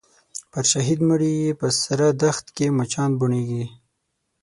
پر شهید مړي یې په سره دښت کي مچان بوڼیږي